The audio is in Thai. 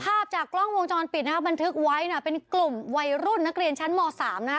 ภาพจากกล้องวงจรปิดนะฮะบันทึกไว้น่ะเป็นกลุ่มวัยรุ่นนักเรียนชั้นม๓นะฮะ